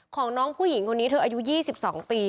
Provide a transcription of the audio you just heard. ของน้องผู้หญิงคนนี้เธออายุ๒๒ปี